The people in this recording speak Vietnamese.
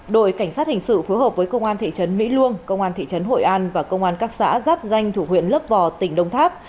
đội cảnh sát hình sự phối hợp với công an thị trấn mỹ luông công an thị trấn hội an và công an các xã giáp danh thủ huyện lớp vò tỉnh đông tháp